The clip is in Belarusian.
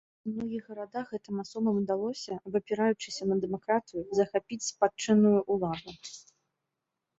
У многіх гарадах гэтым асобам удалося, абапіраючыся на дэмакратыю, захапіць спадчынную ўладу.